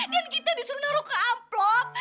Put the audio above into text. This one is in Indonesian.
dan kita disuruh naruh ke aplop